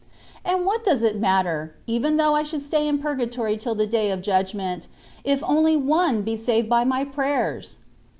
And what does it matter, even though I should stay in pur gatory till the day of judgment, if only one be saved by my prayers